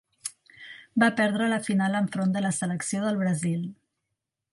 Va perdre la final enfront de la selecció del Brasil.